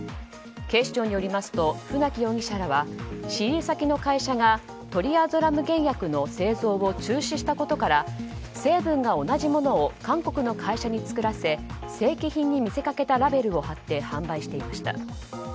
警視庁によりますと船木容疑者らは仕入れ先の会社がトリアゾラム原薬の製造を中止したことから成分が同じものを韓国の会社に作らせ正規品に見せかけたラベルを貼って販売していました。